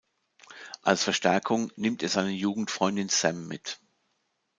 Als Verstärkung nimmt er seine Jugendfreundin Sam mit.